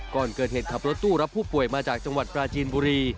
ก่อนเกิดเหตุขับรถตู้รับผู้ป่วยมาจากจังหวัดปราจีนบุรี